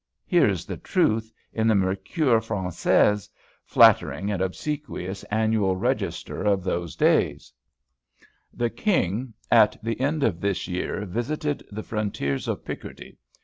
Here is the truth in the Mercure Française, flattering and obsequious Annual Register of those days: "The King at the end of this year, visited the frontiers of Picardy.